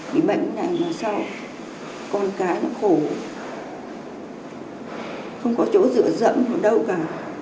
bị bệnh này mà sao con cái nó khổ không có chỗ dựa dẫm ở đâu cả